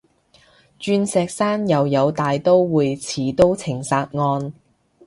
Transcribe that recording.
鑽石山又有大刀會持刀情殺案？